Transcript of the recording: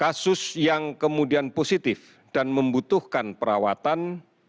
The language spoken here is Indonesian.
kasus yang kemudian positif dan membutuhkan perawatan